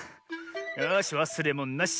よしわすれものなし。